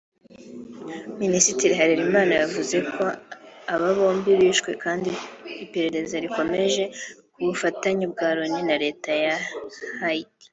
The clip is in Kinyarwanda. Minisitiri Harerimana yavuze ko aba bombi bishwe kandi iperereza rikomeje ku bufatanye bwa Loni na Leta ya Haiti